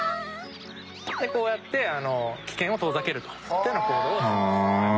でこうやって危険を遠ざけるというような行動をするんです。